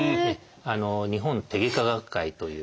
「日本手外科学会」という。